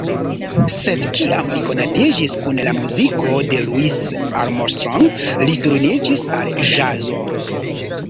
Sed kiam li konatiĝis kun la muziko de Louis Armstrong, li turniĝis al ĵazo.